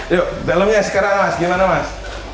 yuk dalamnya sekarang mas gimana mas